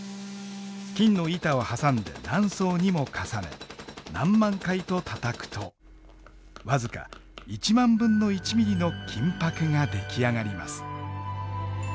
金の板を挟んで何層にも重ね何万回とたたくと僅か１万分の１ミリの金箔が出来上がります。